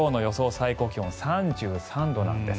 最高気温３３度なんです。